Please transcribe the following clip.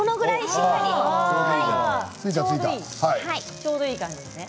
ちょうどいい感じですね。